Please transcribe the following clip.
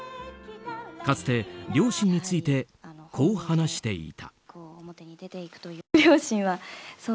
かつて両親についてこう話していた。